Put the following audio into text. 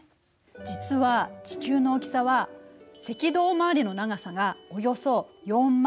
実は地球の大きさは赤道周りの長さがおよそ４０，０７７ｋｍ。